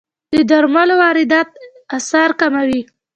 د درملو واردات اسعار کموي.